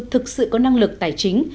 thực sự có năng lực tài chính